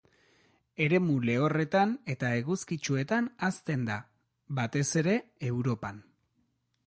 Eremu lehorretan eta eguzkitsuetan hazten da, batez ere, Europan.